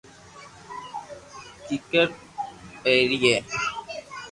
ڪيڪر ڀرئي